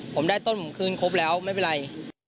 ผมได้ต้นผมคืนครบแล้วไม่เป็นไร